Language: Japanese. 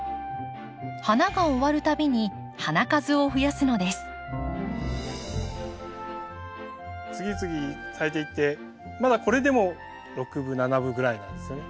花が終わる度に次々咲いていってまだこれでも６分７分ぐらいなんですよね。